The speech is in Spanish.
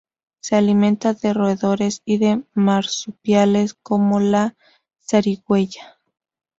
Se alimenta de roedores, y de marsupiales como la zarigüeya.